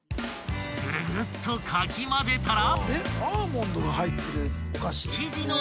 ［ぐるぐるっとかき混ぜたら］